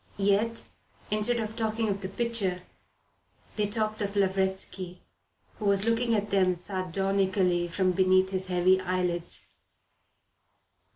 Yet, instead of talking of the picture, they talked of Lavretsky, who was looking at them sardonically from beneath his heavy eyelids.